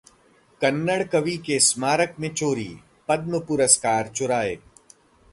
कन्नड़ कवि के स्मारक में चोरी, पद्म पुरस्कार चुराए